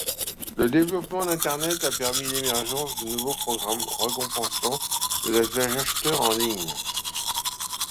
Le développement d'Internet a permis l'émergence de nouveaux programmes récompensant les acheteurs en ligne.